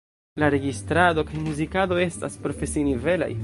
La registrado kaj muzikado estas profesinivelaj.